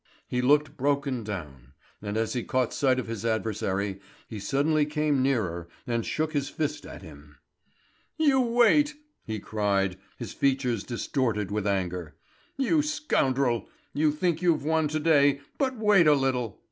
He looked broken down; and as he caught sight of his adversary, he suddenly came nearer and shook his fist at him. "You wait!" he cried, his features distorted with anger. "You scoundrel! You think you've won to day, but wait a little!